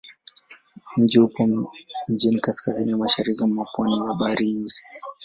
Mji upo mjini kaskazini-mashariki mwa pwani ya Bahari Nyeusi.